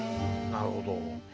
なるほど。